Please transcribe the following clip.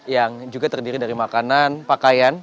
yang juga terdiri dari makanan pakaian